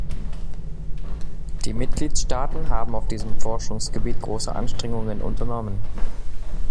Die Mitgliedstaaten haben auf diesem Forschungsgebiet große Anstrengungen unternommen.